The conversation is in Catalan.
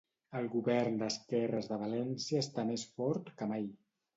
El govern d'esquerres de València està més fort que mai